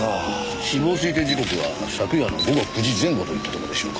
死亡推定時刻は昨夜の午後９時前後といったところでしょうか。